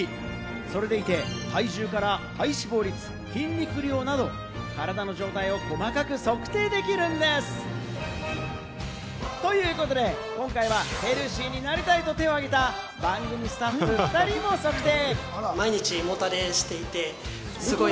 それでいて体重から体脂肪率、筋肉量など、体の状態を細かく測定できるんです。ということで、今回はヘルシーになりたいと手を挙げた番組スタッフ２人も測定。